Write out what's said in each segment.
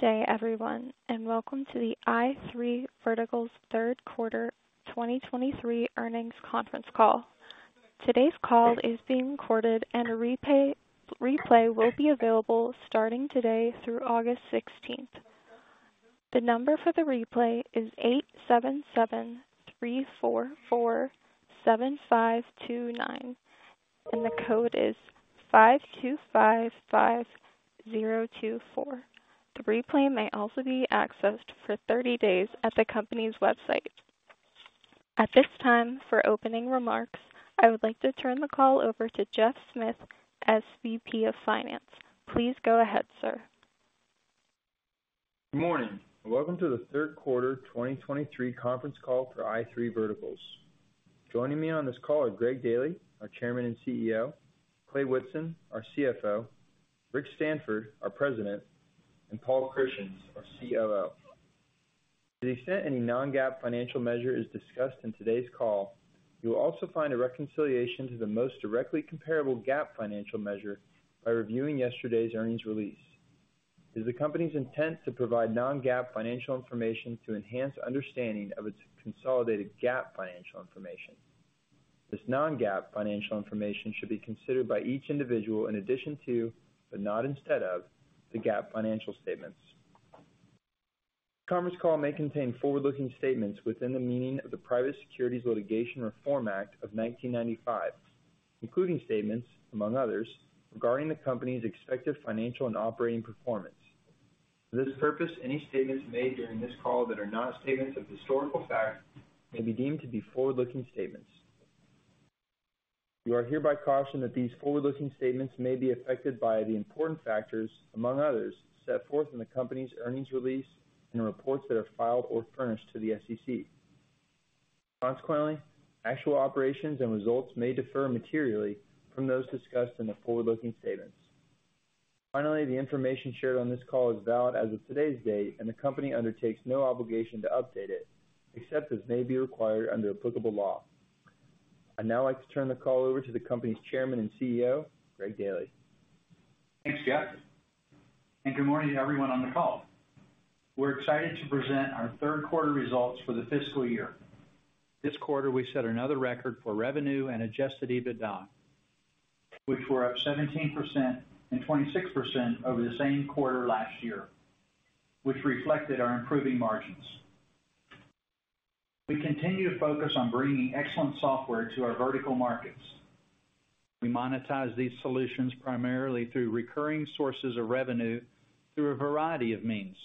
Good day, everyone, welcome to the i3 Verticals Q3 2023 Earnings Conference Call. Today's call is being recorded and a replay will be available starting today through August 16th. The number for the replay is 877-344-7529, and the code is 5255024. The replay may also be accessed for 30 days at the company's website. At this time, for opening remarks, I would like to turn the call over to Geoff Smith, SVP of Finance. Please go ahead, sir. Good morning, welcome to the Q3 2023 conference call for i3 Verticals. Joining me on this call are Greg Daily, our Chairman and CEO, Clay Whitson, our CFO, Rick Stanford, our President, and Paul Christians, our COO. To the extent any non-GAAP financial measure is discussed in today's call, you will also find a reconciliation to the most directly comparable GAAP financial measure by reviewing yesterday's earnings release. It is the company's intent to provide non-GAAP financial information to enhance understanding of its consolidated GAAP financial information. This non-GAAP financial information should be considered by each individual in addition to, but not instead of, the GAAP financial statements. This conference call may contain forward-looking statements within the meaning of the Private Securities Litigation Reform Act of 1995, including statements, among others, regarding the company's expected financial and operating performance. For this purpose, any statements made during this call that are not statements of historical fact may be deemed to be forward-looking statements. You are hereby cautioned that these forward-looking statements may be affected by the important factors, among others, set forth in the company's earnings release and the reports that are filed or furnished to the SEC. Consequently, actual operations and results may differ materially from those discussed in the forward-looking statements. Finally, the information shared on this call is valid as of today's date, and the company undertakes no obligation to update it, except as may be required under applicable law. I'd now like to turn the call over to the company's Chairman and CEO, Greg Daily. Thanks, Geoff. Good morning to everyone on the call. We're excited to present our Q3 results for the fiscal year. This quarter, we set another record for revenue and adjusted EBITDA, which were up 17% and 26% over the same quarter last year, which reflected our improving margins. We continue to focus on bringing excellent software to our vertical markets. We monetize these solutions primarily through recurring sources of revenue through a variety of means,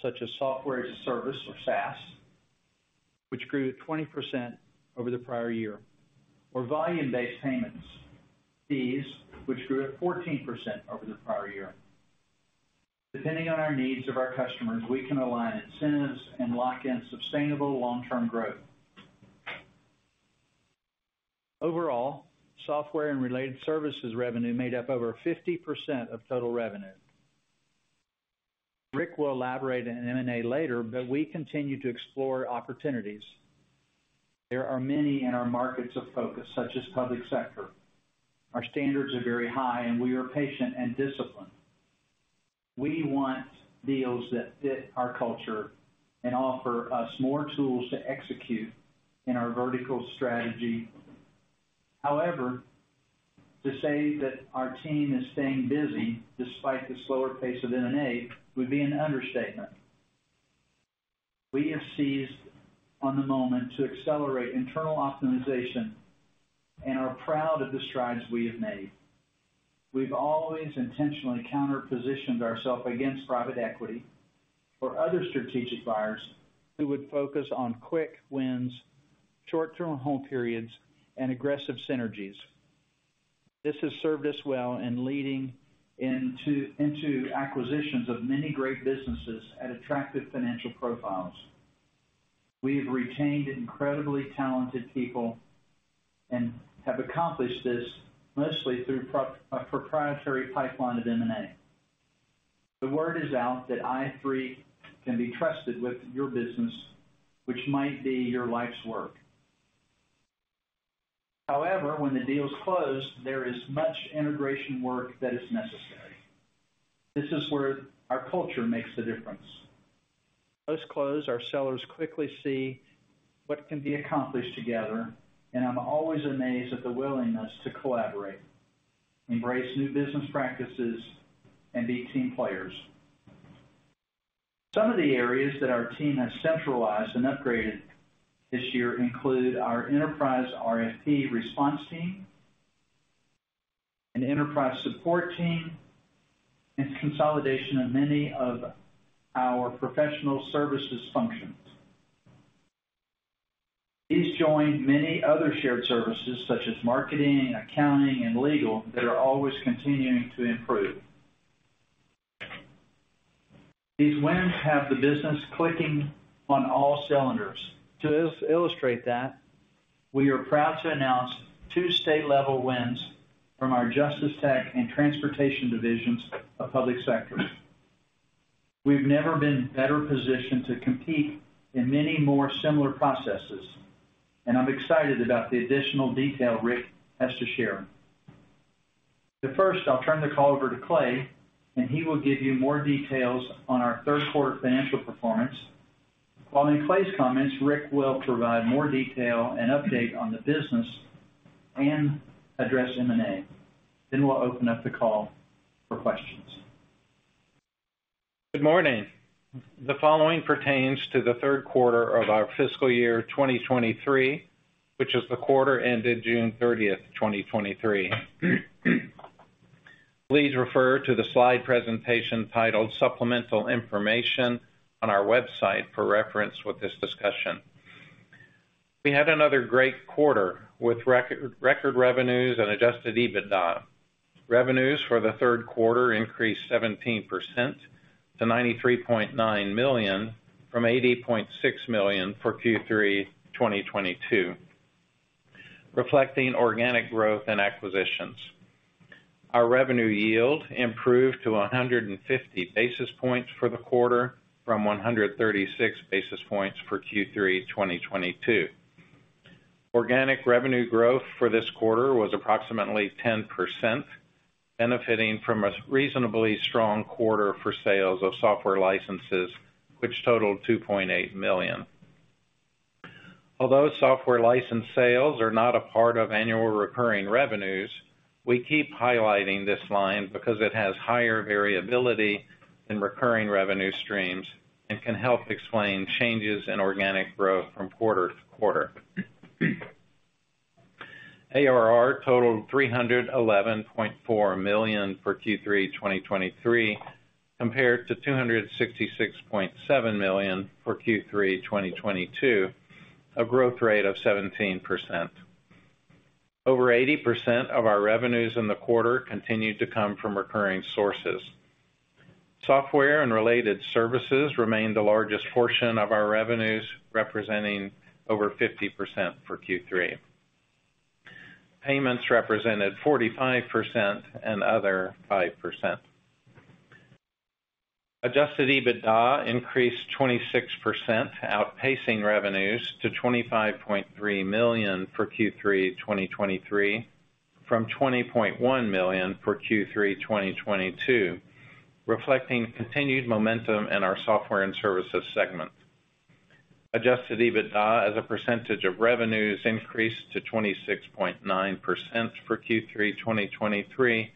such as software as a service or SaaS, which grew 20% over the prior year, or volume-based payments fees, which grew at 14% over the prior year. Depending on the needs of our customers, we can align incentives and lock in sustainable long-term growth. Overall, software and related services revenue made up over 50% of total revenue. Rick will elaborate on M&A later, but we continue to explore opportunities. There are many in our markets of focus, such as public sector. Our standards are very high and we are patient and disciplined. We want deals that fit our culture and offer us more tools to execute in our vertical strategy. However, to say that our team is staying busy despite the slower pace of M&A, would be an understatement. We have seized on the moment to accelerate internal optimization and are proud of the strides we have made. We've always intentionally counter-positioned ourselves against private equity or other strategic buyers who would focus on quick wins, short-term hold periods, and aggressive synergies. This has served us well, leading into acquisitions of many great businesses at attractive financial profiles. We've retained incredibly talented people and have accomplished this mostly through our proprietary pipeline of M&A. The word is out that i3 can be trusted with your business, which might be your life's work. However, when the deal is closed, there is much integration work that is necessary. This is where our culture makes a difference. Post-close, our sellers quickly see what can be accomplished together, and I'm always amazed at the willingness to collaborate, embrace new business practices, and be team players. Some of the areas that our team has centralized and upgraded this year include our enterprise RFP response team, an enterprise support team, and consolidation of many of our professional services functions. These join many other shared services such as marketing, accounting, and legal that are always continuing to improve. These wins have the business clicking on all cylinders. To illustrate that, we are proud to announce two state-level wins from our Justice Tech and transportation divisions of Public Sector. We've never been better positioned to compete in many more similar processes, and I'm excited about the additional detail Rick has to share. First, I'll turn the call over to Clay, and he will give you more details on our Q3 financial performance. While in Clay's comments, Rick will provide more detail and update on the business and address M&A. We'll open up the call for questions. Good morning. The following pertains to the Q3 of our fiscal year 2023, which is the quarter ended June 30th, 2023. Please refer to the slide presentation titled Supplemental Information on our website for reference with this discussion. We had another great quarter with record revenues and adjusted EBITDA. Revenues for the Q3 increased 17% to $93.9 million, from $80.6 million for Q3 2022, reflecting organic growth and acquisitions. Our revenue yield improved to 150 basis points for the quarter, from 136 basis points for Q3 2022. Organic revenue growth for this quarter was approximately 10%, benefiting from a reasonably strong quarter for sales of software licenses, which totaled $2.8 million. Although software license sales are not a part of annual recurring revenue, we keep highlighting this line because it has higher variability than recurring revenue streams and can help explain changes in organic growth from quarter-over-quarter. ARR totaled $311.4 million for Q3 2023, compared to $266.7 million for Q3 2022, a growth rate of 17%. Over 80% of our revenues in the quarter continued to come from recurring sources. Software and related services remained the largest portion of our revenues, representing over 50% for Q3. Payments represented 45% and other, 5%. Adjusted EBITDA increased 26%, outpacing revenues to $25.3 million for Q3 2023, from $20.1 million for Q3 2022, reflecting continued momentum in our software and services segment. Adjusted EBITDA as a percentage of revenues increased to 26.9% for Q3 2023,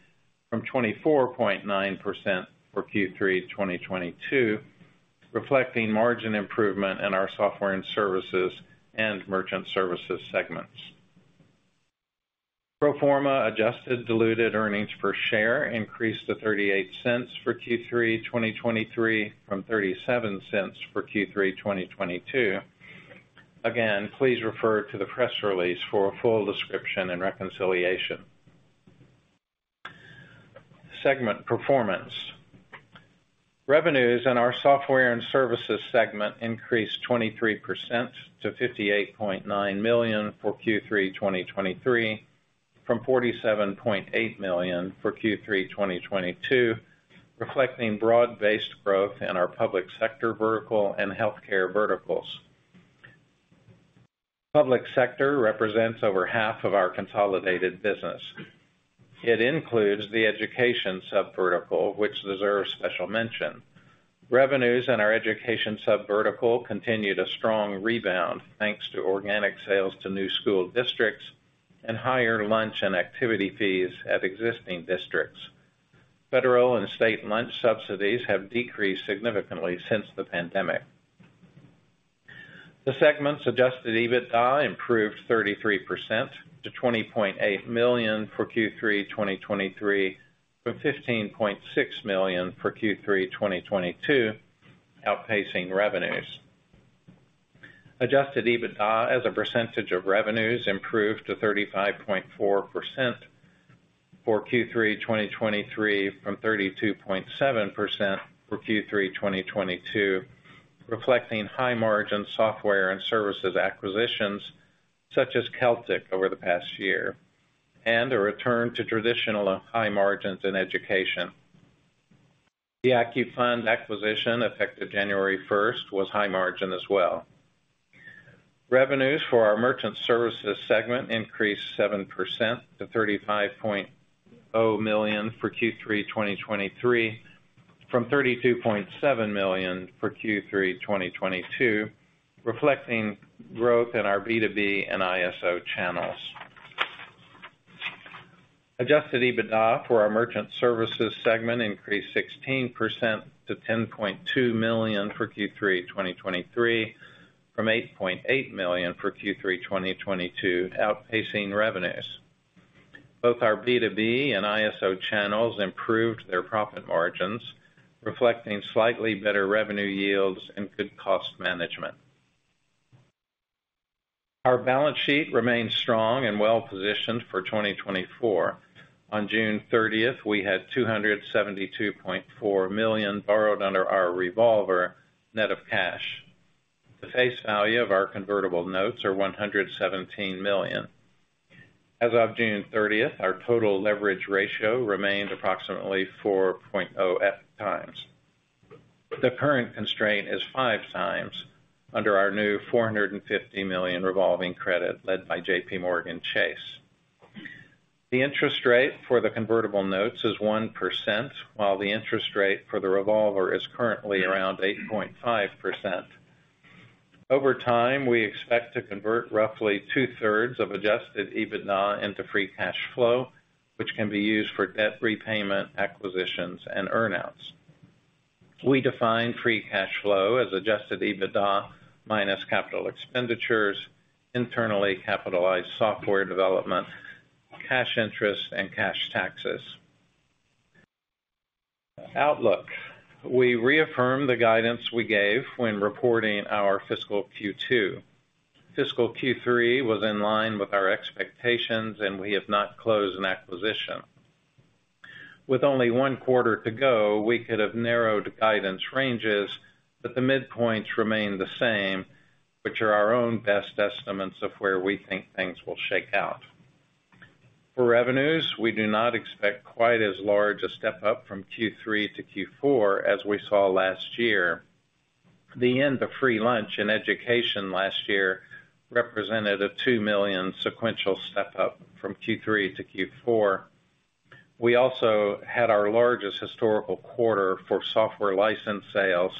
from 24.9% for Q3 2022, reflecting margin improvement in our software and services and merchant services segments. Pro forma adjusted diluted earnings per share increased to $0.38 for Q3 2023, from $0.37 for Q3 2022. Again, please refer to the press release for a full description and reconciliation. Segment performance. Revenues in our software and services segment increased 23% to $58.9 million for Q3 2023, from $47.8 million for Q3 2022, reflecting broad-based growth in our public sector vertical and healthcare verticals. Public sector represents over half of our consolidated business. It includes the education sub-vertical, which deserves special mention. Revenues in our education sub-vertical continued a strong rebound, thanks to organic sales to new school districts and higher lunch and activity fees at existing districts. Federal and state lunch subsidies have decreased significantly since the pandemic. The segment's adjusted EBITDA improved 33% to $20.8 million for Q3 2023, from $15.6 million for Q3 2022, outpacing revenues. Adjusted EBITDA as a percentage of revenues improved to 35.4% for Q3 2023, from 32.7% for Q3 2022, reflecting high-margin software and services acquisitions, such as Celtic, over the past year, and a return to traditional high margins in education. The AccuFund acquisition, effective January 1, was high margin as well. Revenues for our merchant services segment increased 7% to $35.0 million for Q3 2023, from $32.7 million for Q3 2022, reflecting growth in our B2B and ISO channels. Adjusted EBITDA for our merchant services segment increased 16% to $10.2 million for Q3 2023, from $8.8 million for Q3 2022, outpacing revenues. Both our B2B and ISO channels improved their profit margins, reflecting slightly better revenue yields and good cost management. Our balance sheet remains strong and well-positioned for 2024. On June 30th, we had $272.4 million borrowed under our revolver net of cash. The face value of our convertible notes are $117 million. As of June 30th, our total leverage ratio remained approximately 4.0x. The current constraint is 5x under our new $450 million revolving credit led by JPMorgan Chase. The interest rate for the convertible notes is 1%, while the interest rate for the revolver is currently around 8.5%. Over time, we expect to convert roughly 2/3 of adjusted EBITDA into free cash flow, which can be used for debt repayment, acquisitions, and earn outs. We define free cash flow as adjusted EBITDA minus capital expenditures, internally capitalized software development, cash interest, and cash taxes. Outlook. We reaffirm the guidance we gave when reporting our fiscal Q2. Fiscal Q3 was in line with our expectations, and we have not closed an acquisition. With only one quarter to go, we could have narrowed guidance ranges, but the midpoints remain the same, which are our own best estimates of where we think things will shake out. For revenues, we do not expect quite as large a step up from Q3 to Q4 as we saw last year. The end of free lunch in education last year represented a $2 million sequential step up from Q3 to Q4. We also had our largest historical quarter for software license sales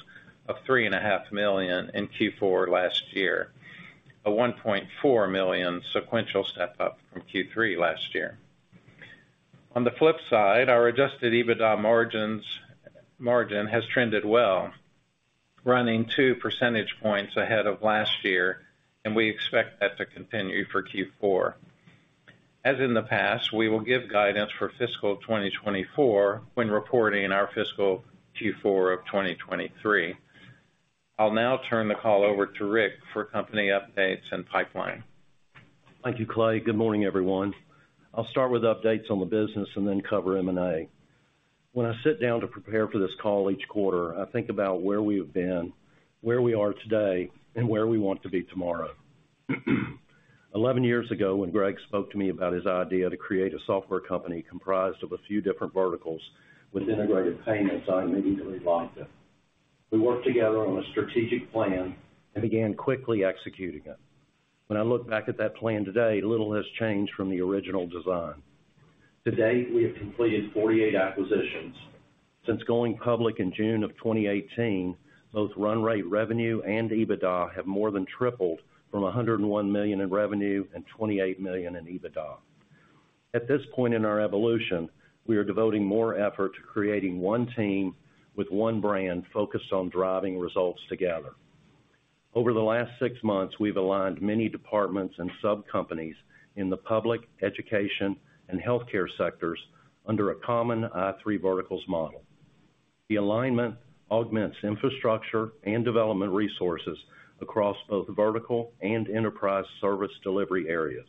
of $3.5 million in Q4 last year, a $1.4 million sequential step up from Q3 last year. On the flip side, our adjusted EBITDA margin has trended well, running 2 percentage points ahead of last year, and we expect that to continue for Q4. As in the past, we will give guidance for fiscal 2024 when reporting our fiscal Q4 of 2023. I'll now turn the call over to Rick for company updates and pipeline. Thank you, Clay. Good morning, everyone. I'll start with updates on the business and then cover M&A. When I sit down to prepare for this call each quarter, I think about where we have been, where we are today, and where we want to be tomorrow. 11 years ago, when Greg spoke to me about his idea to create a software company comprised of a few different verticals with integrated payments, I immediately liked it. We worked together on a strategic plan and began quickly executing it. When I look back at that plan today, little has changed from the original design. To date, we have completed 48 acquisitions. Since going public in June of 2018, both run rate, revenue, and EBITDA have more than tripled from $101 million in revenue and $28 million in EBITDA. At this point in our evolution, we are devoting more effort to creating one team with one brand focused on driving results together. Over the last six months, we've aligned many departments and sub-companies in the public, education, and healthcare sectors under a common i3 Verticals model. The alignment augments infrastructure and development resources across both vertical and enterprise service delivery areas.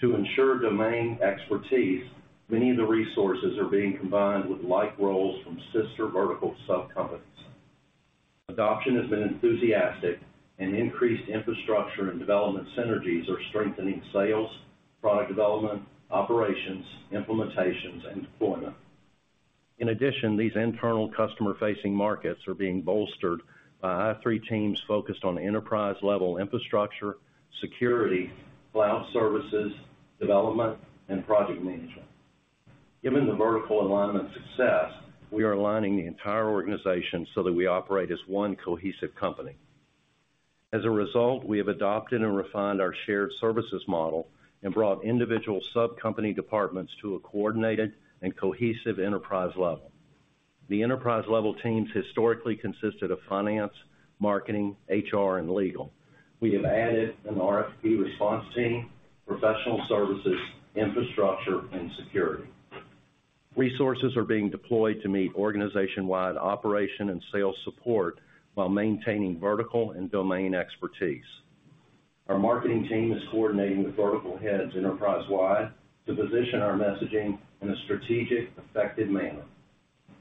To ensure domain expertise, many of the resources are being combined with like roles from sister vertical sub-companies. Increased infrastructure and development synergies are strengthening sales, product development, operations, implementations, and deployment. In addition, these internal customer-facing markets are being bolstered by i3 teams focused on enterprise-level infrastructure, security, cloud services, development, and project management. Given the vertical alignment success, we are aligning the entire organization so that we operate as one cohesive company. As a result, we have adopted and refined our shared services model and brought individual sub-company departments to a coordinated and cohesive enterprise level. The enterprise-level teams historically consisted of finance, marketing, HR, and legal. We have added an RFP response team, professional services, infrastructure, and security. Resources are being deployed to meet organization-wide operation and sales support while maintaining vertical and domain expertise. Our marketing team is coordinating with vertical heads enterprise-wide to position our messaging in a strategic, effective manner.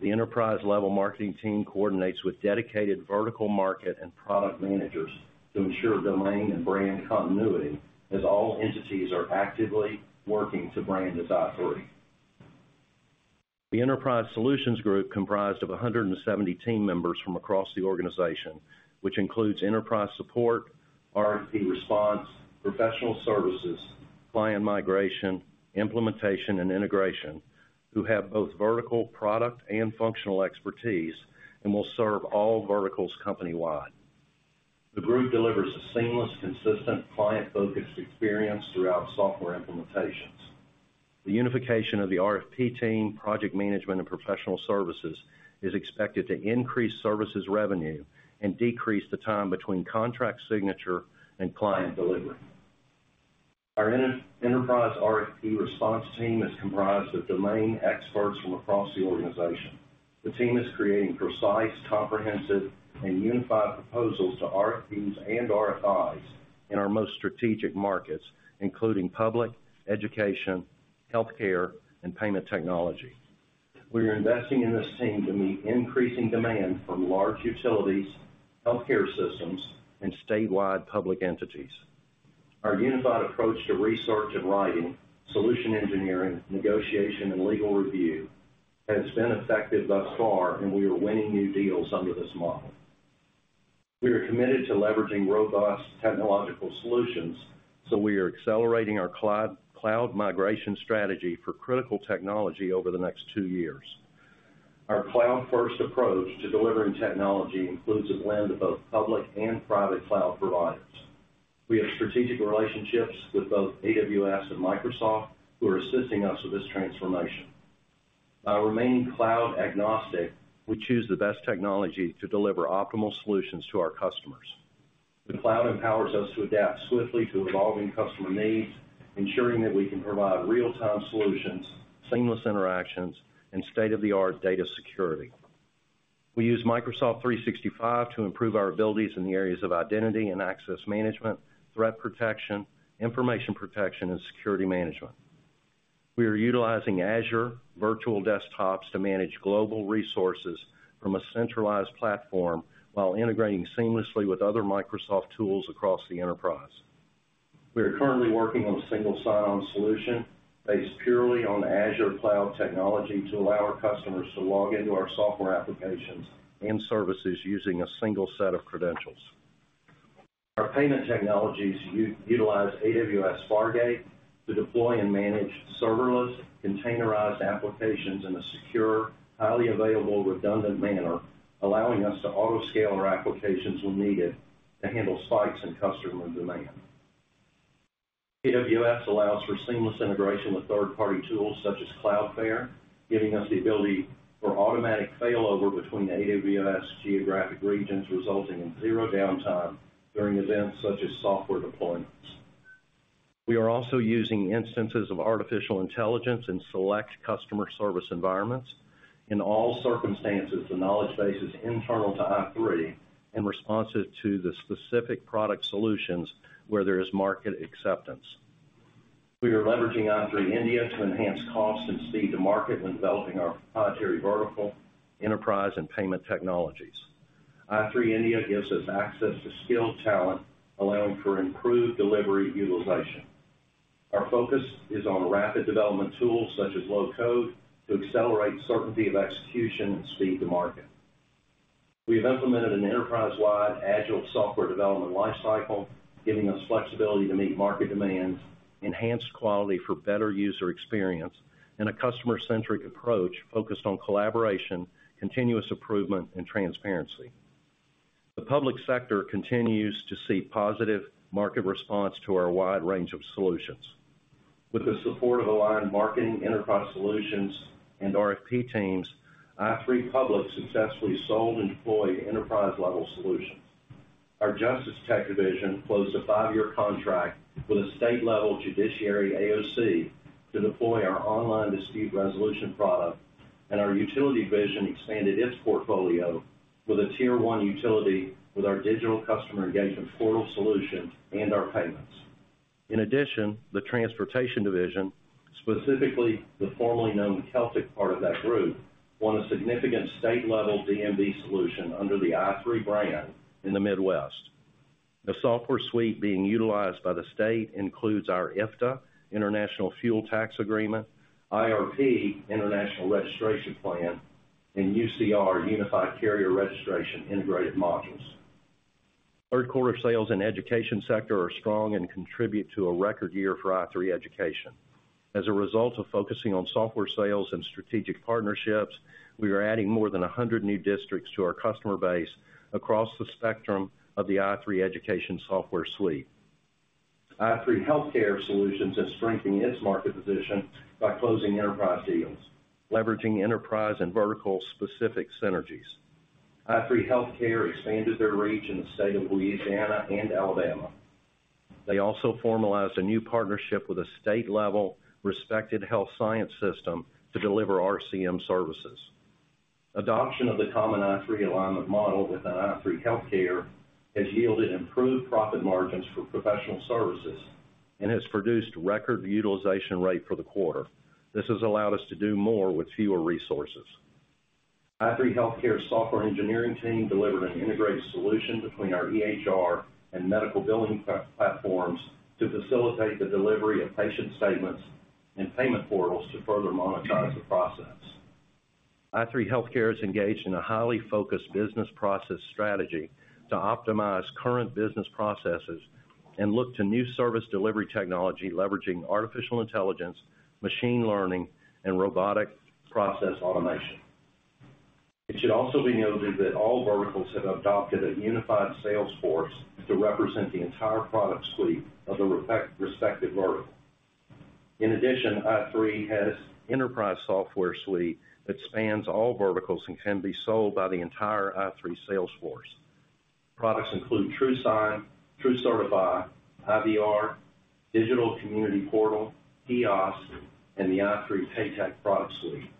The enterprise-level marketing team coordinates with dedicated vertical market and product managers to ensure domain and brand continuity, as all entities are actively working to brand as i3. The Enterprise Solutions Group is comprised of 170 team members from across the organization, which includes enterprise support, RFP response, professional services, client migration, implementation, and integration, who have both vertical product and functional expertise and will serve all verticals company-wide. The group delivers a seamless, consistent, client-focused experience throughout software implementations. The unification of the RFP team, project management, and professional services is expected to increase services revenue and decrease the time between contract signature and client delivery. Our enterprise RFP response team is comprised of domain experts from across the organization. The team is creating precise, comprehensive, and unified proposals to RFPs and RFIs in our most strategic markets, including public, education, healthcare, and payment technology. We are investing in this team to meet increasing demand from large utilities, healthcare systems, and statewide public entities.... Our unified approach to research and writing, solution engineering, negotiation, and legal review has been effective thus far. We are winning new deals under this model. We are committed to leveraging robust technological solutions. We are accelerating our cloud migration strategy for critical technology over the next two years. Our cloud-first approach to delivering technology includes a blend of both public and private cloud providers. We have strategic relationships with both AWS and Microsoft, who are assisting us with this transformation. By remaining cloud agnostic, we choose the best technology to deliver optimal solutions to our customers. The cloud empowers us to adapt swiftly to evolving customer needs, ensuring that we can provide real-time solutions, seamless interactions, and state-of-the-art data security. We use Microsoft 365 to improve our abilities in the areas of identity and access management, threat protection, information protection, and security management. We are utilizing Azure Virtual Desktop to manage global resources from a centralized platform while integrating seamlessly with other Microsoft tools across the enterprise. We are currently working on a single sign-on solution based purely on Azure cloud technology to allow our customers to log into our software applications and services using a single set of credentials. Our payment technologies utilize AWS Fargate to deploy and manage serverless, containerized applications in a secure, highly available, redundant manner, allowing us to auto-scale our applications when needed to handle spikes in customer demand. AWS allows for seamless integration with third-party tools such as Cloudflare, giving us the ability for automatic failover between the AWS geographic regions, resulting in zero downtime during events such as software deployments. We are also using instances of artificial intelligence in select customer service environments. In all circumstances, the knowledge base is internal to i3 and responsive to the specific product solutions where there is market acceptance. We are leveraging i3 India to enhance cost and speed to market when developing our proprietary vertical, enterprise, and payment technologies. i3 India gives us access to skilled talent, allowing for improved delivery utilization. Our focus is on rapid development tools such as low-code, to accelerate certainty of execution and speed to market. We have implemented an enterprise-wide Agile software development lifecycle, giving us flexibility to meet market demands, enhance quality for better user experience, and a customer-centric approach focused on collaboration, continuous improvement, and transparency. The public sector continues to see positive market response to our wide range of solutions. With the support of aligned marketing, enterprise solutions, and RFP teams, i3 Public successfully sold and deployed enterprise-level solutions. Our Justice Tech division closed a 5-year contract with a state-level judiciary AOC to deploy our Online Dispute Resolution product. Our utility division expanded its portfolio with a tier one utility with our digital customer engagement portal solution and our payments. In addition, the transportation division, specifically the formerly known Celtic part of that group, won a significant state-level DMV solution under the i3 brand in the Midwest. The software suite being utilized by the state includes our IFTA, International Fuel Tax Agreement, IRP, International Registration Plan, and UCR, Unified Carrier Registration, integrated modules. Q3 sales in the education sector are strong and contribute to a record year for i3 Education. As a result of focusing on software sales and strategic partnerships, we are adding more than 100 new districts to our customer base across the spectrum of the i3 Education software suite. i3 Healthcare Solutions is strengthening its market position by closing enterprise deals, leveraging enterprise and vertical-specific synergies. i3 Healthcare expanded their reach in the state of Louisiana and Alabama. They also formalized a new partnership with a state-level, respected health science system to deliver RCM services. Adoption of the common i3 alignment model within i3 Healthcare has yielded improved profit margins for professional services and has produced record utilization rate for the quarter. This has allowed us to do more with fewer resources. i3 Healthcare's software engineering team delivered an integrated solution between our EHR and medical billing platforms to facilitate the delivery of patient statements and payment portals to further monetize the process. i3 Healthcare is engaged in a highly focused business process strategy to optimize current business processes and look to new service delivery technology, leveraging artificial intelligence, machine learning, and robotic process automation. It should also be noted that all verticals have adopted a unified sales force to represent the entire product suite of the respective vertical. In addition, i3 has enterprise software suite that spans all verticals and can be sold by the entire i3 sales force. Products include TrueSign, TrueCertify, IVR, Digital Community Portal, Kiosk, and the i3 PayTech product suite.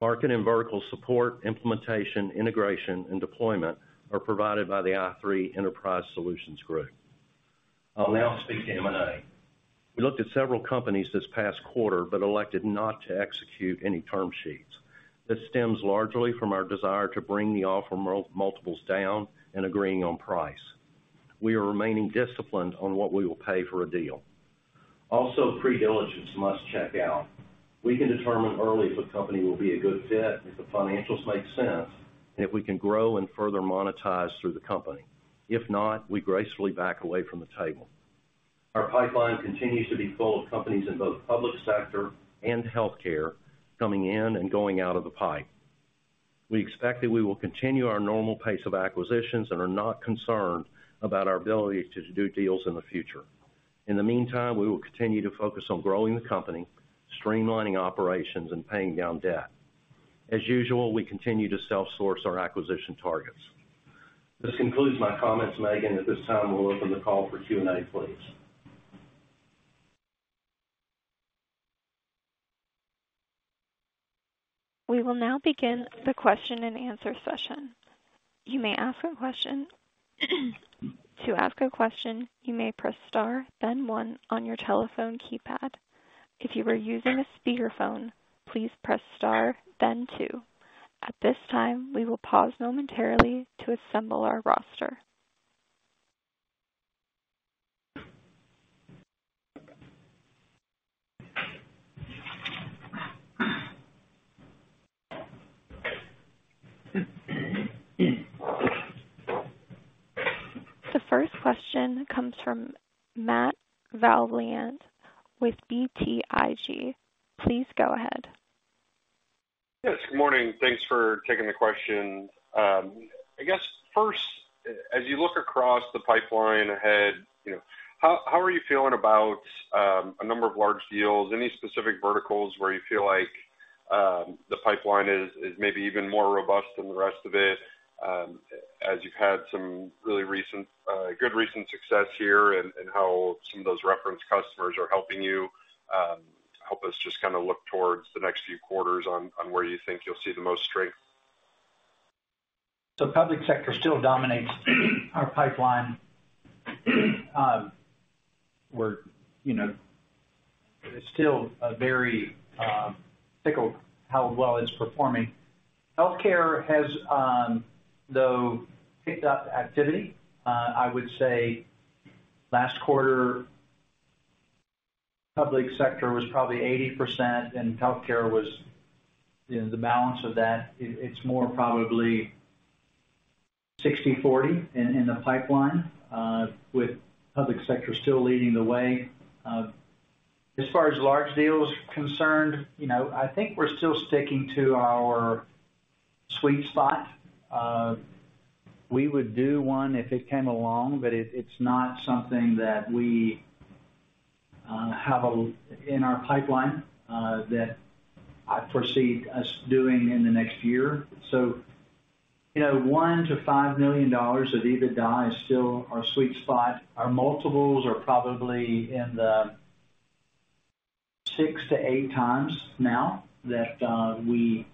Market and vertical support, implementation, integration, and deployment are provided by the i3 Enterprise Solutions Group. I'll now speak to M&A. We looked at several companies this past quarter, but elected not to execute any term sheets. This stems largely from our desire to bring the offer multiples down and agreeing on price. We are remaining disciplined on what we will pay for a deal. Also, pre-diligence must check out. We can determine early if a company will be a good fit, if the financials make sense, and if we can grow and further monetize through the company. If not, we gracefully back away from the table. Our pipeline continues to be full of companies in both public sector and healthcare, coming in and going out of the pipe. We expect that we will continue our normal pace of acquisitions and are not concerned about our ability to do deals in the future. In the meantime, we will continue to focus on growing the company, streamlining operations, and paying down debt. As usual, we continue to self-source our acquisition targets. This concludes my comments, Megan. At this time, we'll open the call for Q&A, please. We will now begin the question-and-answer session. You may ask a question. To ask a question, you may press star, then one on your telephone keypad. If you are using a speakerphone, please press star, then two. At this time, we will pause momentarily to assemble our roster. The first question comes from Matt VanVliet with BTIG. Please go ahead. Yes, good morning. Thanks for taking the question. I guess, first, as you look across the pipeline ahead, you know, how, how are you feeling about, a number of large deals? Any specific verticals where you feel like, the pipeline is, is maybe even more robust than the rest of it, as you've had some really recent, good recent success here and how some of those reference customers are helping you, help us just kinda look towards the next few quarters on, on where you think you'll see the most strength? Public Sector still dominates our pipeline. We're, you know, it's still a very, tickled how well it's performing. Healthcare has, though, picked up activity. I would say last quarter, Public Sector was probably 80%, and Healthcare was, you know, the balance of that. It, it's more probably 60/40 in, in the pipeline, with Public Sector still leading the way. As far as large deals are concerned, you know, I think we're still sticking to our sweet spot. We would do one if it came along, but it, it's not something that we, have a in our pipeline, that I foresee us doing in the next year. You know, $1 million-$5 million of EBITDA is still our sweet spot. Our multiples are probably in the 6x-8x now that we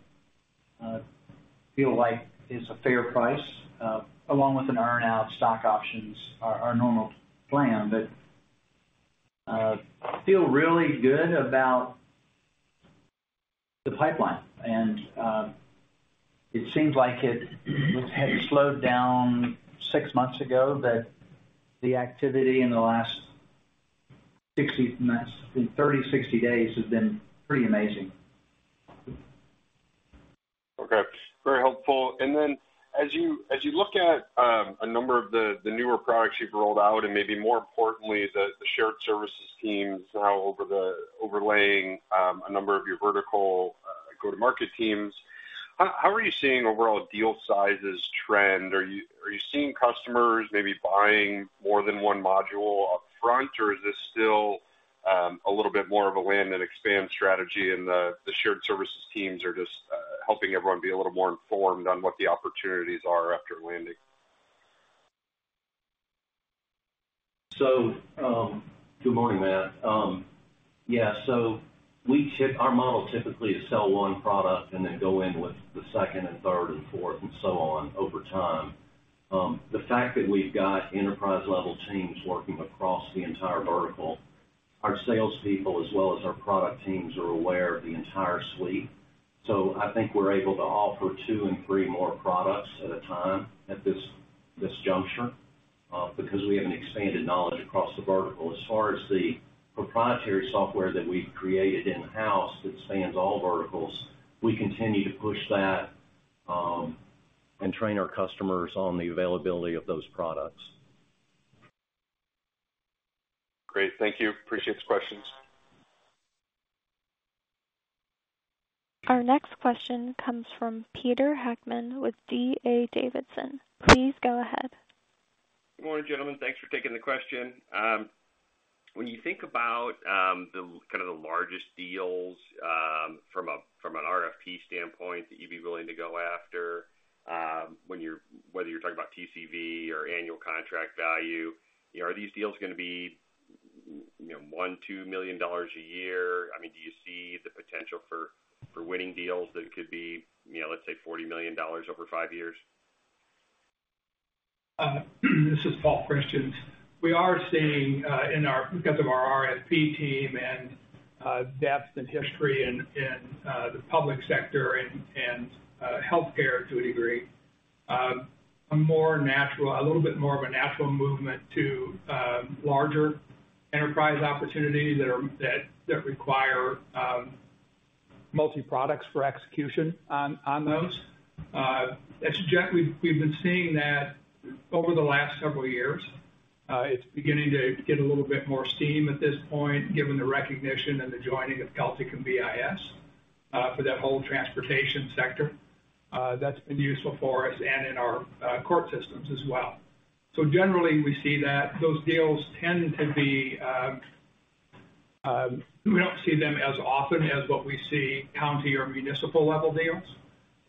feel like is a fair price along with an earn-out stock options are our normal plan. Feel really good about the pipeline, and it seems like it had slowed down six months ago, but the activity in the last 60, 30, 60 days has been pretty amazing. Okay, very helpful. As you, as you look at a number of the, the newer products you've rolled out, and maybe more importantly, the, the shared services teams now overlaying a number of your vertical go-to-market teams, how, how are you seeing overall deal sizes trend? Are you, are you seeing customers maybe buying more than one module upfront, or is this still a little bit more of a land and expand strategy, and the, the shared services teams are just helping everyone be a little more informed on what the opportunities are after landing? Good morning, Matt. Yeah, our model typically is sell one product and then go in with the second and third, and fourth, and so on over time. The fact that we've got enterprise-level teams working across the entire vertical, our salespeople, as well as our product teams, are aware of the entire suite. I think we're able to offer two and three more products at a time at this, this juncture, because we have an expanded knowledge across the vertical. As far as the proprietary software that we've created in-house that spans all verticals, we continue to push that, and train our customers on the availability of those products. Great. Thank you. Appreciate the questions. Our next question comes from Peter Heckmann with D.A. Davidson. Please go ahead. Good morning, gentlemen. Thanks for taking the question. When you think about the kind of the largest deals from a, from an RFP standpoint, that you'd be willing to go after, whether you're talking about TCV or annual contract value, you know, are these deals gonna be, you know, $1 million, $2 million a year? I mean, do you see the potential for, for winning deals that could be, you know, let's say, $40 million over five years? This is Paul Christians. We are seeing in our, because of our RFP team and depth and history in, in the public sector and and healthcare, to a degree, a more natural-- a little bit more of a natural movement to larger enterprise opportunities that require multi-products for execution on, on those. That's generally, we've been seeing that over the last several years. It's beginning to get a little bit more steam at this point, given the recognition and the joining of Celtic and BIS, for that whole transportation sector. That's been useful for us and in our court systems as well. Generally, we see that those deals tend to be... We don't see them as often as what we see county or municipal-level deals,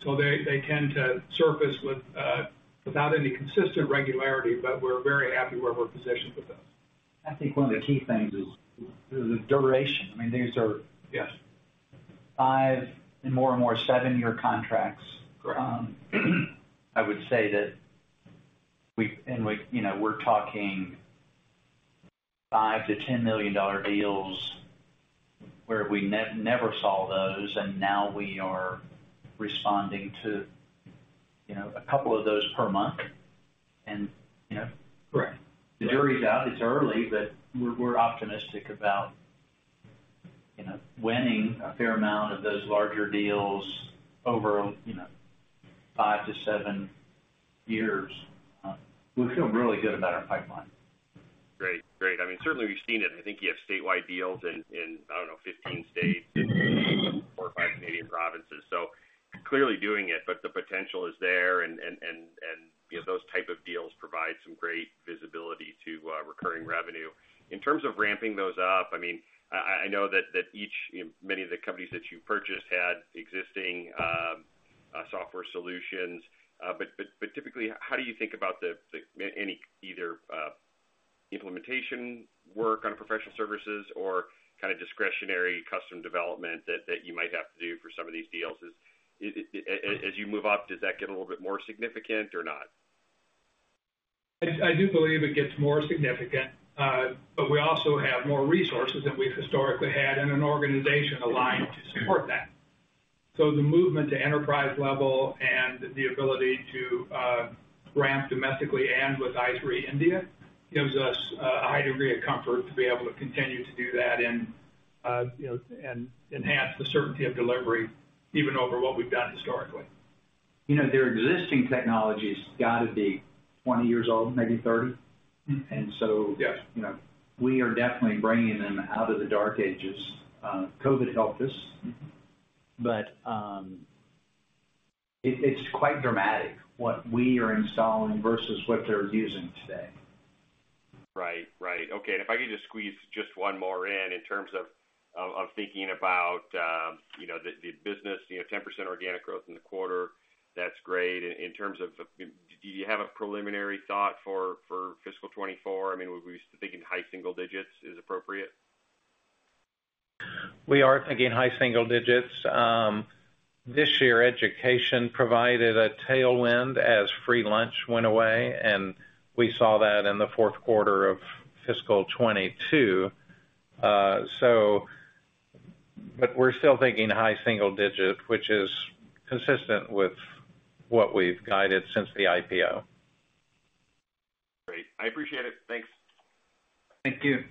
so they, they tend to surface with, without consistent regularity, but we're very happy where we're positioned with those. I think one of the key things is the duration. I mean, these are. Yes. 5, more and more 7-year contracts. Correct. I would say that we, you know, we're talking $5 million-$10 million deals where we never saw those, and now we are responding to, you know, a couple of those per month. You know. Correct. The jury's out, it's early, but we're, we're optimistic about, you know, winning a fair amount of those larger deals over, you know, five to seven years. We feel really good about our pipeline. Great. Great. I mean, certainly, we've seen it. I think you have statewide deals in, I don't know, 15 states, four or five Canadian provinces, so clearly doing it, but the potential is there, and, you know, those type of deals provide some great visibility to recurring revenue. In terms of ramping those up, I mean, I know that each, many of the companies that you've purchased had existing software solutions. But, but, but typically, how do you think about the, the, any either implementation work on professional services or kind of discretionary custom development that you might have to do for some of these deals? Is as, as you move up, does that get a little bit more significant or not? I do believe it gets more significant. We also have more resources than we've historically had in an organization aligned to support that. The movement to enterprise-level and the ability to ramp domestically and with i3 India, gives us a high degree of comfort to be able to continue to do that and, you know, enhance the certainty of delivery even over what we've done historically. You know, their existing technology has got to be 20 years old, maybe 30. Mm-hmm. And so- Yes. You know, we are definitely bringing them out of the dark ages. COVID helped us- Mm-hmm. It, it's quite dramatic what we are installing versus what they're using today. Right. Right. Okay, if I could just squeeze just one more in, in terms of thinking about, you know, the business, you know, 10% organic growth in the quarter, that's great. In terms of the, do you have a preliminary thought for fiscal 2024? I mean, we thinking high single digits is appropriate? We are thinking high single digits. This year, education provided a tailwind as free lunch went away, and we saw that in the Q4 of fiscal 2022. But we're still thinking high single digit, which is consistent with what we've guided since the IPO. Great. I appreciate it. Thanks. Thank you.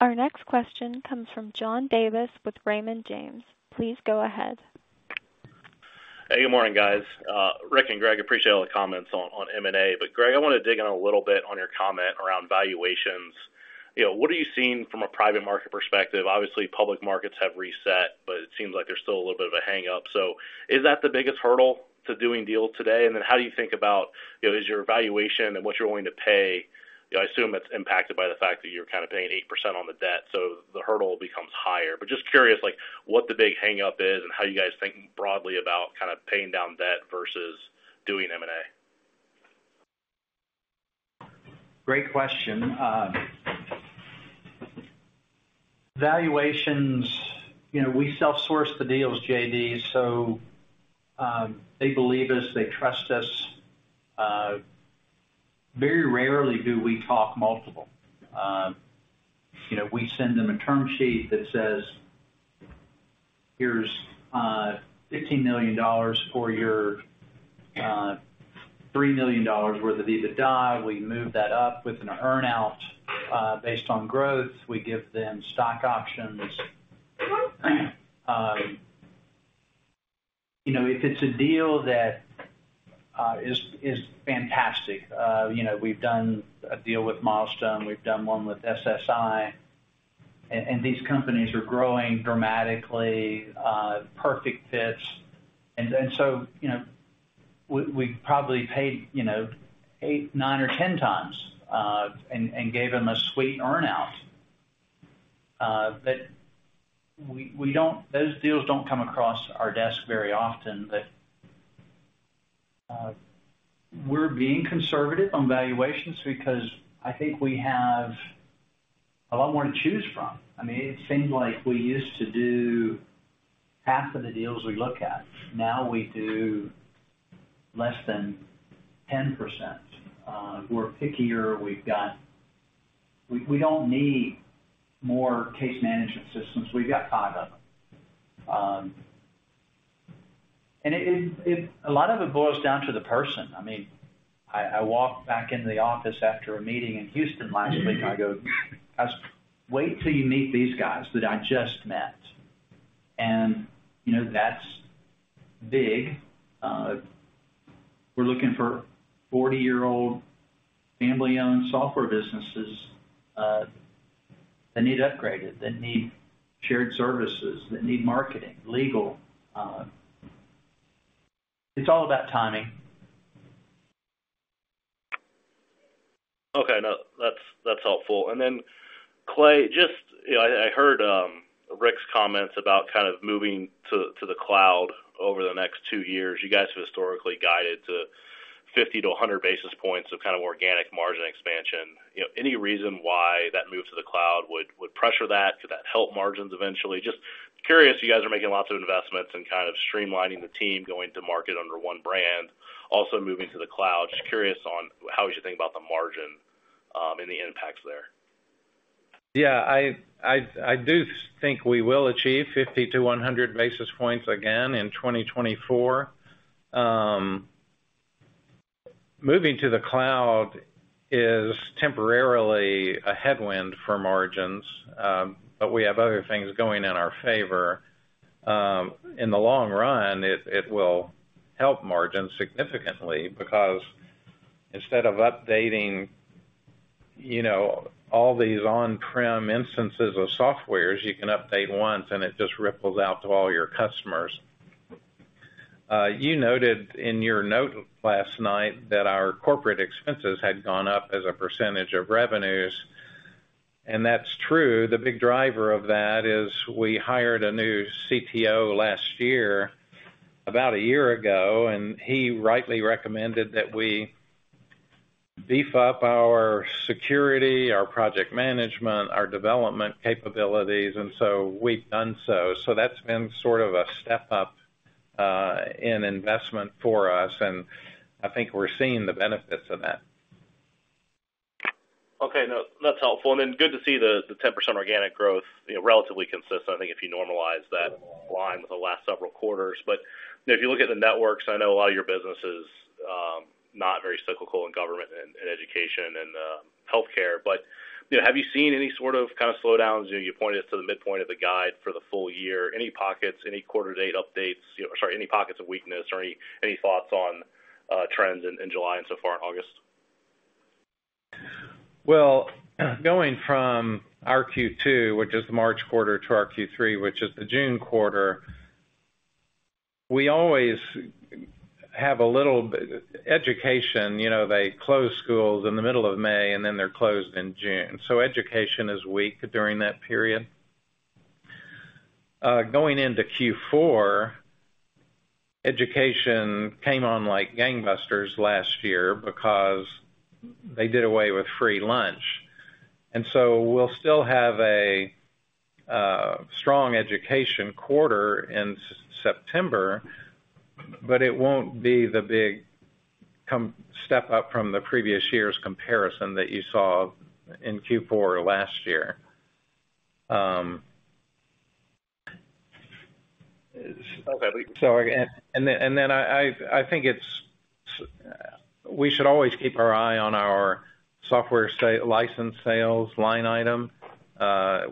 Our next question comes from John Davis with Raymond James. Please go ahead. Hey, good morning, guys. Rick and Greg, appreciate all the comments on, on M&A. Greg, I want to dig in a little bit on your comment around valuations. You know, what are you seeing from a private market perspective? Obviously, public markets have reset, but it seems like there's still a little bit of a hangup. Is that the biggest hurdle to doing deals today? Then how do you think about, you know, is your valuation and what you're willing to pay... You know, I assume it's impacted by the fact that you're kind of paying 8% on the debt, so the hurdle becomes higher. Just curious, like, what the big hangup is and how you guys think broadly about kind of paying down debt versus doing M&A. Great question. Valuations, you know, we self-source the deals, JD. They believe us, they trust us. Very rarely do we talk multiple. You know, we send them a term sheet that says, "Here's $15 million for your $3 million worth of EBITDA. We move that up with an earn-out based on growth." We give them stock options. You know, if it's a deal that is fantastic, you know, we've done a deal with Milestone, we've done one with SSI, and these companies are growing dramatically, perfect fits. You know, we probably paid, you know, 8x, 9x, or 10x, and gave them a sweet earn-out. Those deals don't come across our desk very often. We're being conservative on valuations because I think we have a lot more to choose from. I mean, it seems like we used to do half of the deals we look at. Now we do less than 10%. We're pickier. We've got, we don't need more case management systems. We've got five of them. And it, it, it, a lot of it boils down to the person. I mean, I walked back into the office after a meeting in Houston last week, and I go, "Wait till you meet these guys that I just met." You know, that's big. We're looking for 40-year-old, family-owned software businesses that need upgraded, that need shared services, that need marketing, legal. It's all about timing. Okay. No, that's helpful. Then, Clay, just, you know, I heard Rick's comments about kind of moving to, to the cloud over the next two years. You guys have historically guided to 50-100 basis points of kind of organic margin expansion. You know, any reason why that move to the cloud would, would pressure that? Could that help margins eventually? Just curious, you guys are making lots of investments and kind of streamlining the team, going to market under one brand, also moving to the cloud. Just curious on how we should think about the margin and the impacts there. Yeah, I do think we will achieve 50-100 basis points again in 2024. Moving to the cloud is temporarily a headwind for margins, but we have other things going in our favor. In the long run, it will help margins significantly, because instead of updating, you know, all these on-prem instances of software, you can update once, and it just ripples out to all your customers. You noted in your note last night that our corporate expenses had gone up as a percentage of revenues, and that's true. The big driver of that is we hired a new CTO last year, about a year ago, and he rightly recommended that we beef up our security, our project management, our development capabilities, and so we've done so. That's been sort of a step up, in investment for us, and I think we're seeing the benefits of that. Okay, no, that's helpful. Good to see the 10% organic growth, you know, relatively consistent, I think, if you normalize that line with the last several quarters. You know, if you look at the networks, I know a lot of your business is not very cyclical in government and in education and healthcare. You know, have you seen any sort of kind of slowdowns? You know, you pointed us to the midpoint of the guide for the full year. Any pockets, any quarter date updates? Sorry, any pockets of weakness or any, any thoughts on trends in July and so far in August? Well, going from our Q2, which is the March quarter, to our Q3, which is the June quarter, we always have a little education, you know, they close schools in the middle of May, and then they're closed in June, so education is weak during that period. Going into Q4, education came on like gangbusters last year because they did away with free lunch. So we'll still have a strong education quarter in September, but it won't be the big step up from the previous year's comparison that you saw in Q4 last year. Okay. I think we should always keep our eye on our software license sales line item.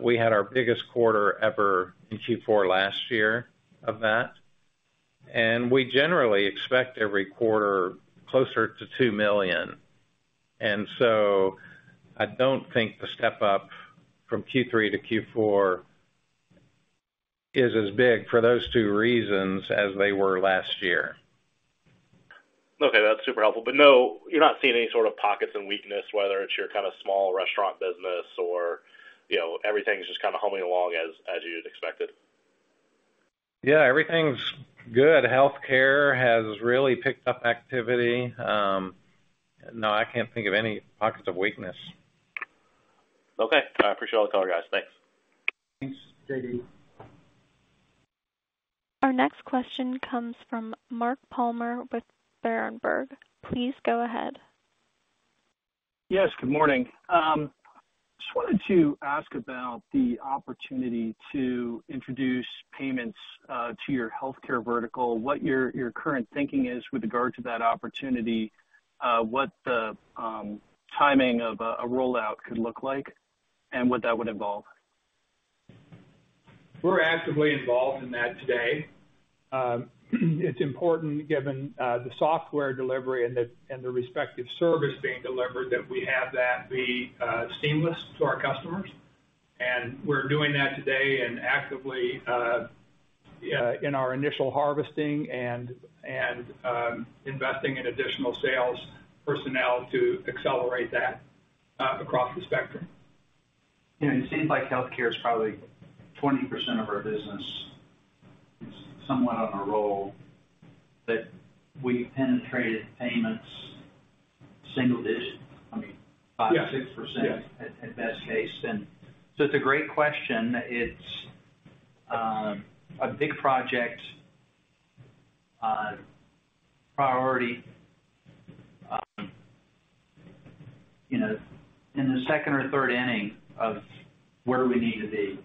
We had our biggest quarter ever in Q4 last year of that, and we generally expect every quarter closer to $2 million. I don't think the step up from Q3 to Q4 is as big for those two reasons as they were last year. Okay, that's super helpful. No, you're not seeing any sort of pockets and weakness, whether it's your kind of small restaurant business or, you know, everything's just kind of humming along as, as you'd expected? Yeah, everything's good. Healthcare has really picked up activity. No, I can't think of any pockets of weakness. Okay. I appreciate all the color, guys. Thanks. Thanks, JD. Our next question comes from Mark Palmer with Berenberg. Please go ahead. Yes, good morning. Just wanted to ask about the opportunity to introduce payments to your Healthcare vertical, what your, your current thinking is with regard to that opportunity, what the timing of a rollout could look like, and what that would involve? We're actively involved in that today. It's important, given the software delivery and the, and the respective service being delivered, that we have that be seamless to our customers. We're doing that today and actively in our initial harvesting and, and investing in additional sales personnel to accelerate that across the spectrum. Yeah, it seems like healthcare is probably 20% of our business. It's somewhat on a roll, we penetrated payments single digit, I mean, 5%-6%. Yes. at best case. So it's a great question. It's a big project, priority, you know, in the second or third inning of where we need to be.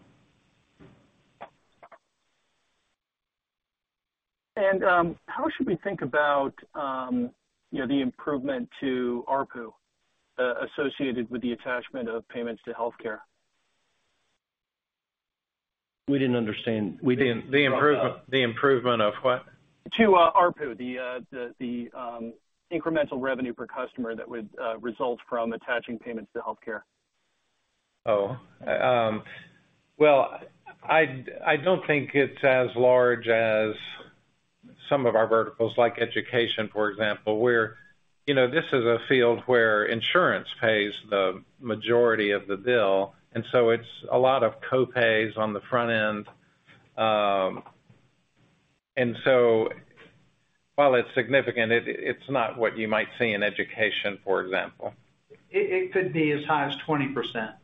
How should we think about, you know, the improvement to ARPU associated with the attachment of payments to healthcare? We didn't understand. The improvement, the improvement of what? To ARPU, the, the, the incremental revenue per customer that would result from attaching payments to healthcare. Well, I don't think it's as large as some of our verticals, like education, for example, where, you know, this is a field where insurance pays the majority of the bill, and so it's a lot of copays on the front end. So while it's significant, it, it's not what you might see in education, for example. It, it could be as high as 20%.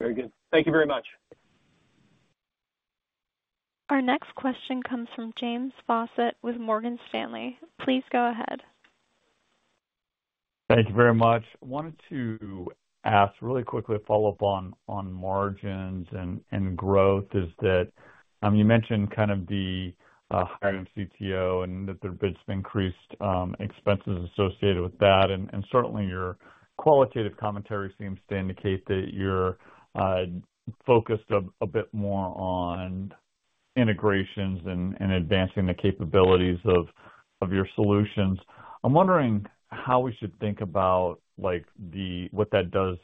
Very good. Thank you very much. Our next question comes from James Faucette with Morgan Stanley. Please go ahead. Thank you very much. I wanted to ask really quickly a follow-up on, on margins and, and growth, is that, you mentioned kind of the hiring CTO and that there's been some increased expenses associated with that, and certainly your qualitative commentary seems to indicate that you're focused a bit more on integrations and advancing the capabilities of your solutions. I'm wondering how we should think about, like what that does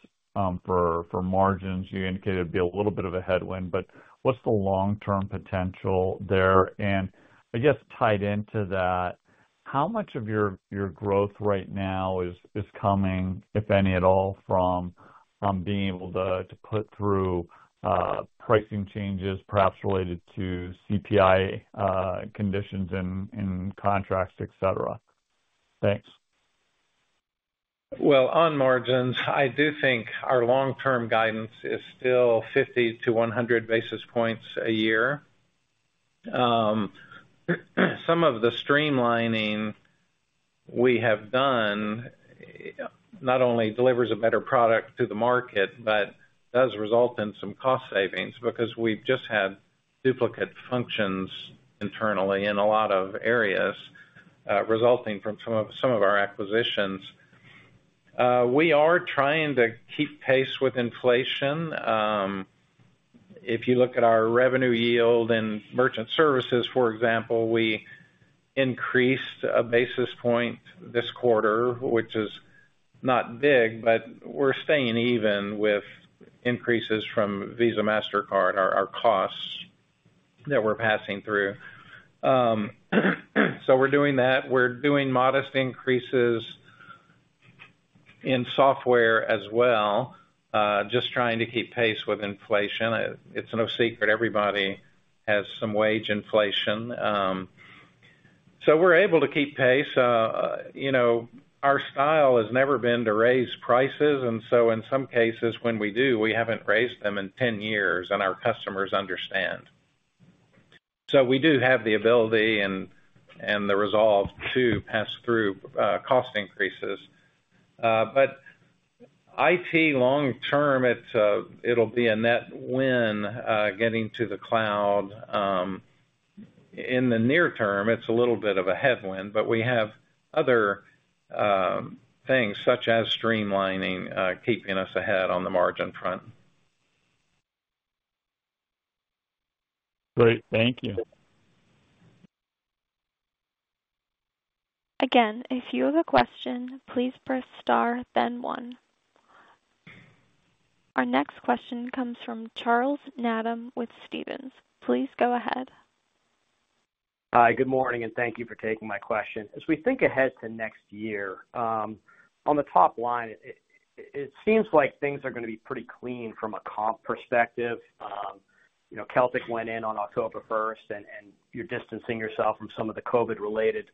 for margins. You indicated it'd be a little bit of a headwind, but what's the long-term potential there? I guess tied into that, how much of your, your growth right now is, is coming, if any at all, from being able to, to put through pricing changes, perhaps related to CPI, conditions in contracts, et cetera? Thanks. On margins, I do think our long-term guidance is still 50-100 basis points a year. Some of the streamlining we have done, not only delivers a better product to the market, but does result in some cost savings because we've just had duplicate functions internally in a lot of areas, resulting from some of, some of our acquisitions. We are trying to keep pace with inflation. If you look at our revenue yield in merchant services, for example, we increased 1 basis point this quarter, which is not big, but we're staying even with increases from Visa, Mastercard, our, our costs that we're passing through. We're doing that. We're doing modest increases in software as well, just trying to keep pace with inflation. It's no secret everybody has some wage inflation. We're able to keep pace. You know, our style has never been to raise prices, in some cases when we do, we haven't raised them in 10 years, and our customers understand. We do have the ability and, and the resolve to pass through cost increases. Long term, it's, it'll be a net win getting to the cloud. In the near term, it's a little bit of a headwind, but we have other things such as streamlining, keeping us ahead on the margin front. Great. Thank you. Again, if you have a question, please press star, then one. Our next question comes from Charles Nabhan with Stephens. Please go ahead. Hi, good morning, and thank you for taking my question. As we think ahead to next year, on the top line, it seems like things are gonna be pretty clean from a comp perspective. You know, Celtic went in on October 1st, and you're distancing yourself from some of the COVID-related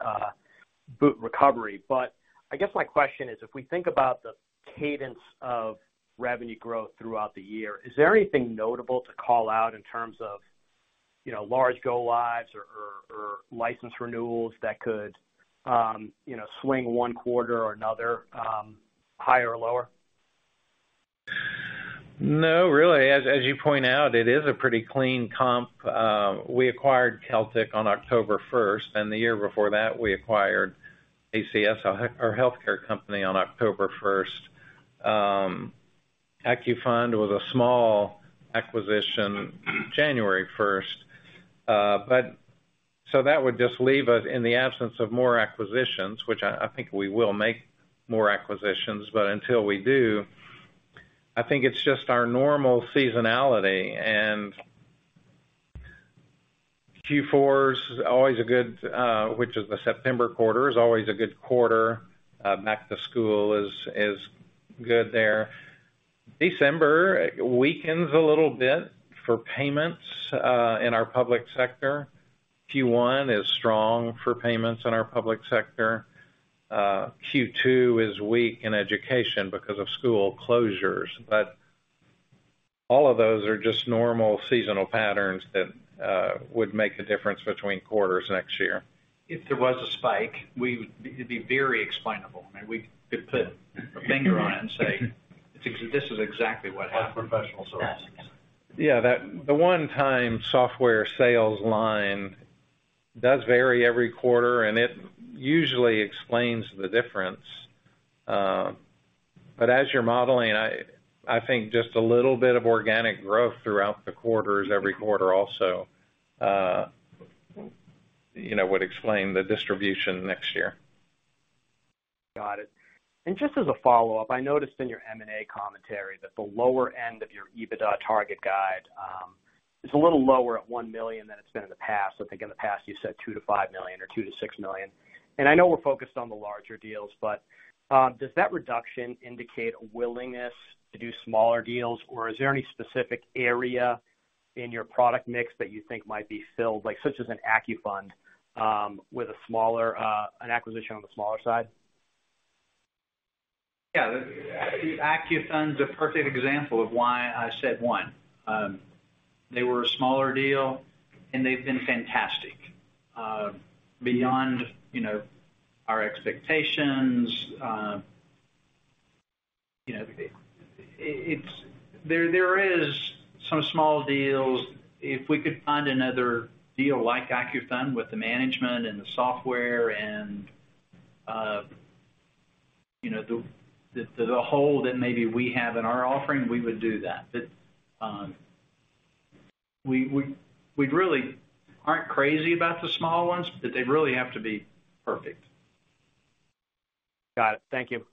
boot recovery. I guess my question is, if we think about the cadence of revenue growth throughout the year, is there anything notable to call out in terms of, you know, large go lives or license renewals that could, you know, swing one quarter or another, higher or lower? No, really, as, as you point out, it is a pretty clean comp. We acquired Celtic on October first, and the year before that, we acquired ACS, our healthcare company, on October first. AccuFund was a small acquisition, January first. That would just leave us in the absence of more acquisitions, which I think we will make more acquisitions, but until we do, I think it's just our normal seasonality. Q4 is always a good, which is the September quarter, is always a good quarter. Back to school is, is good there. December weakens a little bit for payments, in our public sector. Q1 is strong for payments in our public sector. Q2 is weak in education because of school closures. All of those are just normal seasonal patterns that would make a difference between quarters next year. If there was a spike, it'd be very explainable, and we could put a finger on it and say, "This is exactly what happened. Professional services. Yeah, that the one-time software sales line does vary every quarter, and it usually explains the difference. As you're modeling, I think just a little bit of organic growth throughout the quarters, every quarter also, you know, would explain the distribution next year. Got it. Just as a follow-up, I noticed in your M&A commentary that the lower end of your EBITDA target guide is a little lower at $1 million than it's been in the past. I think in the past, you said $2 million-$5 million or $2 million-$6 million. I know we're focused on the larger deals, but does that reduction indicate a willingness to do smaller deals? Is there any specific area in your product mix that you think might be filled, like, such as an AccuFund, with a smaller... an acquisition on the smaller side? Yeah, the AccuFund is a perfect example of why I said 1. They were a smaller deal, and they've been fantastic, beyond, you know, our expectations. You know, there, there is some small deals. If we could find another deal like AccuFund with the management and the software and, you know, the, the, the hole that maybe we have in our offering, we would do that. We, we, we really aren't crazy about the small ones, but they really have to be perfect. Got it. Thank you.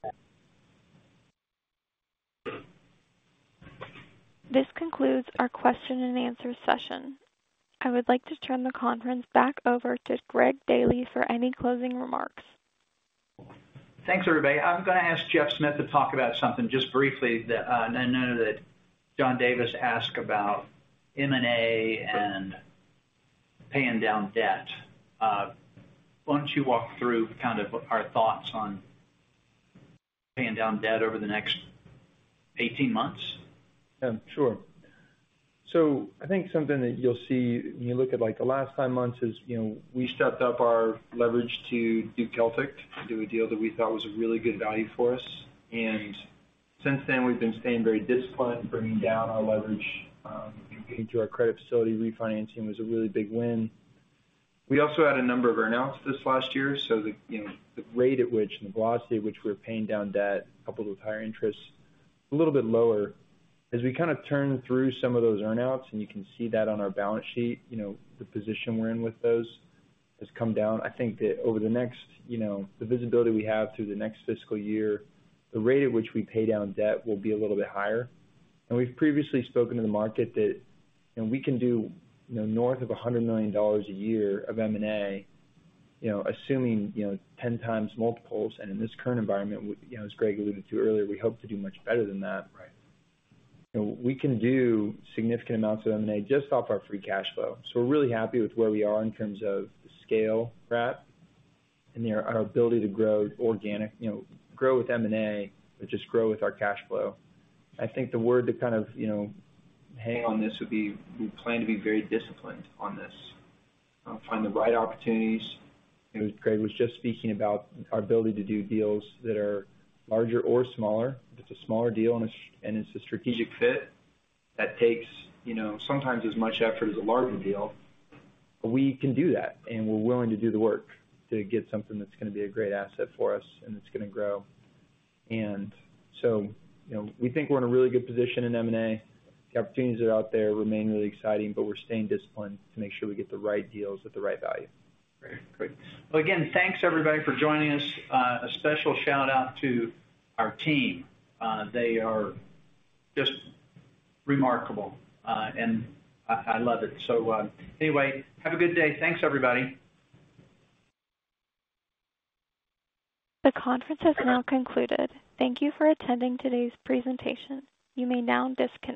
This concludes our question and answer session. I would like to turn the conference back over to Greg Daily for any closing remarks. Thanks, everybody. I'm gonna ask Geoff Smith to talk about something just briefly, that, I know that John Davis asked about M&A and paying down debt. Why don't you walk through kind of our thoughts on paying down debt over the next 18 months? Sure. I think something that you'll see when you look at, like, the last five months is, you know, we stepped up our leverage to do Celtic, to do a deal that we thought was a really good value for us. Since then, we've been staying very disciplined, bringing down our leverage, and getting to our credit facility. Refinancing was a really big win. We also had a number of earn-outs this last year, the, you know, the rate at which and the velocity at which we're paying down debt, coupled with higher interest, a little bit lower. As we kind of turn through some of those earn-outs, and you can see that on our balance sheet, you know, the position we're in with those has come down. I think that over the next, you know, the visibility we have through the next fiscal year, the rate at which we pay down debt will be a little bit higher. We've previously spoken to the market that, you know, we can do, you know, north of $100 million a year of M&A, you know, assuming, you know, 10x multiples. In this current environment, you know, as Greg alluded to earlier, we hope to do much better than that. Right. You know, we can do significant amounts of M&A just off our free cash flow. We're really happy with where we are in terms of the scale, Pat, and our ability to grow organic, you know, grow with M&A, but just grow with our cash flow. I think the word to kind of, you know, hang on this would be, we plan to be very disciplined on this, find the right opportunities. Greg was just speaking about our ability to do deals that are larger or smaller. It's a smaller deal and it's a strategic fit that takes, you know, sometimes as much effort as a larger deal. We can do that, and we're willing to do the work to get something that's gonna be a great asset for us and it's gonna grow. You know, we think we're in a really good position in M&A. The opportunities that are out there remain really exciting, but we're staying disciplined to make sure we get the right deals at the right value. Great. Great. Well, again, thanks, everybody, for joining us. A special shout-out to our team. They are just remarkable, and I love it. Anyway, have a good day. Thanks, everybody. The conference is now concluded. Thank you for attending today's presentation. You may now disconnect.